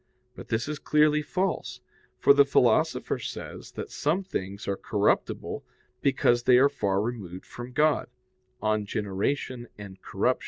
But this is clearly false; for the Philosopher says that some things are corruptible because they are far removed from God (De Gen. et Corrup.